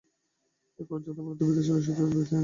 এই কুকুরের যতরকম বিদ্যা ছিল সতীশ তাহা বিনয়কে দেখাইয়া দিল।